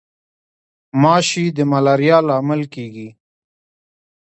ماشي د ملاریا لامل کیږي